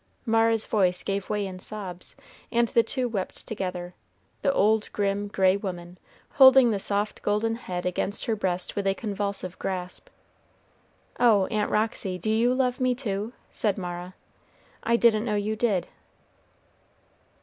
Mara's voice gave way in sobs, and the two wept together, the old grim, gray woman holding the soft golden head against her breast with a convulsive grasp. "Oh, Aunt Roxy, do you love me, too?" said Mara. "I didn't know you did."